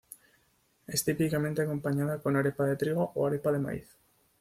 Es típicamente acompañada con arepa de trigo o arepa de maíz.